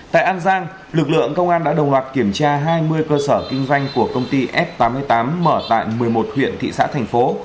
tại an giang lực lượng công an đã đồng loạt kiểm tra hai mươi cơ sở kinh doanh của công ty f tám mươi tám mở tại một mươi một huyện thị xã thành phố